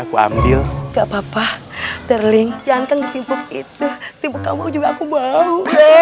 ngambil gak papa darling jangan kekibuk itu timpuk kamu juga aku mau